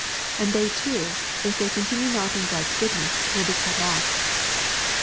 And they too, " if they continue not in God's goodness, will be cut off." (Rom.